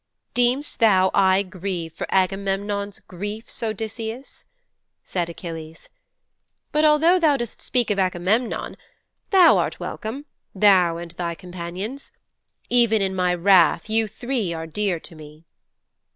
"' '"Deem'st thou I grieve for Agamemnon's griefs, Odysseus?" said Achilles. "But although thou dost speak of Agamemnon thou art welcome, thou and thy companions. Even in my wrath you three are dear to me."'